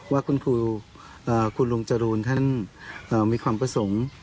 ว่าคุณครูลุงจรูนมีความประสงค์